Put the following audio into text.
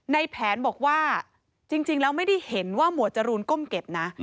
ในแผนบอกว่าจริงแล้วไม่ได้เห็นว่าหมวดจรูนก้มเก็บนะ